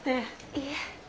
いえ。